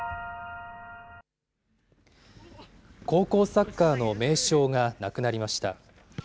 高校サッカーの名将が亡くなりました。